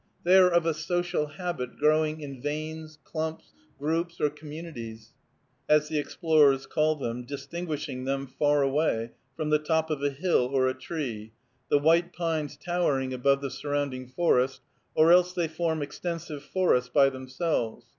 They are of a social habit, growing in "veins," "clumps," "groups," or "communities," as the explorers call them, distinguishing them far away, from the top of a hill or a tree, the white pines towering above the surrounding forest, or else they form extensive forests by themselves.